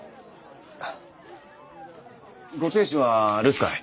ご亭主は留守かい？